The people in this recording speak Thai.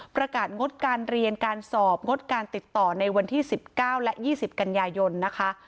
ประกาศงดการเรียนการสอบงดการติดต่อในวันที่๑๙และ๒๐กันยายนนะคะ